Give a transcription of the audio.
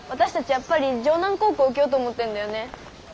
やっぱり城南高校受けようと思ってんだよね。